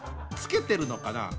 つけてるのかな？